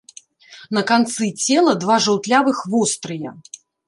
На канцы цела два жаўтлявых вострыя.